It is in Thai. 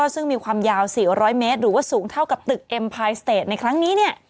ซึ่งมีความยาว๔๐๐เมตรหรือว่าสูงเท่ากับตึกเอ็มพายสเตจในครั้งนี้